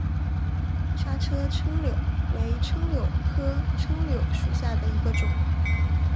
莎车柽柳为柽柳科柽柳属下的一个种。